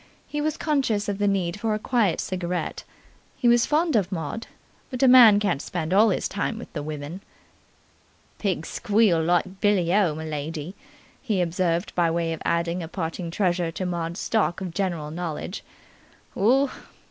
He was conscious of the need for a quiet cigarette. He was fond of Maud, but a man can't spend all his time with the women. "Pigs squeal like billy o, m'lady!" he observed by way of adding a parting treasure to Maud's stock of general knowledge. "Oo!